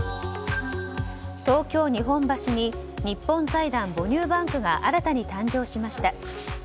東京・日本橋に日本財団母乳バンクが新たに誕生しました。